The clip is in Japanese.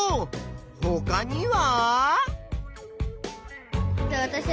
ほかには？